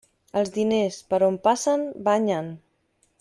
Els diners, per on passen, banyen.